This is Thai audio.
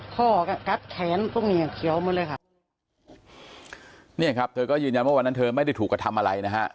เธนิดนี้ครับเธอก็ยืนยันว่าวันนั้นเธอไม่ได้ถูกกระทำอะไรนะฮะ